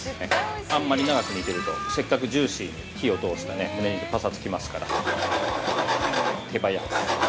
あんまり長く煮ているとせっかくジューシーに火を通したむね肉パサつきますから、手早く。